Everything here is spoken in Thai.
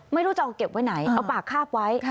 ไม่รู้จะเอาเก็บไว้ไหนเอาปากคาบไว้